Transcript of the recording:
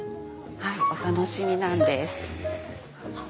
はいお楽しみなんです。